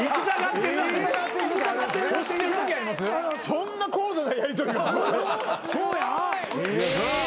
そんな高度なやりとりがここで。